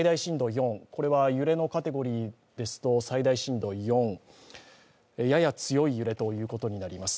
４これは揺れのカテゴリーですと、最大震度４、やや強い揺れということになります。